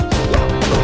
kau harus hafal penuh ya